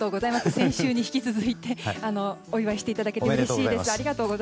先週に引き続いてお祝いしていただけてうれしいです。